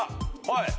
はい。